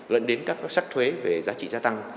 dẫn đến các sắc thuế về giá trị gia tăng